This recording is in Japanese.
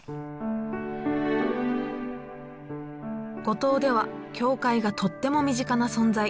五島では教会がとっても身近な存在。